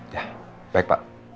ya baik pak